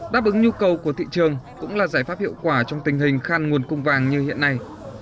đáp ứng nhu cầu của thị trường cũng là giải pháp hiệu quả trong tình hình khan nguồn cung vàng như hiện nay